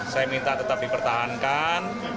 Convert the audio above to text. saya minta tetap dipertahankan